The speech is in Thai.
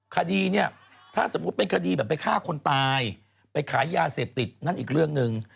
คดีเนี่ยถ้าสมมุติเป็นคดีแบบไปฆ่าคนตายไปขายยาเสพติดนั่นอีกเรื่องหนึ่ง